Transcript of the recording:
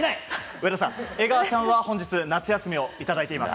上田さん、江川さんは本日、夏休みをいただいています。